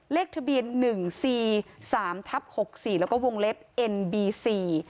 เลขทะเบียนหนึ่งสี่สามทับหกสี่แล้วก็วงเล็บเอ็นบีซี